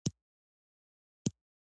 زه د استاد د مثالونو پیروي کوم.